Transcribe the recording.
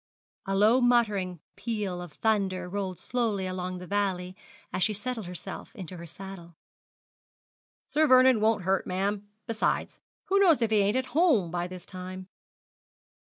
A low muttering peal of thunder rolled slowly along the valley as she settled herself in her saddle. 'Sir Vernon won't hurt, ma'am. Besides, who knows if he ain't at home by this time?'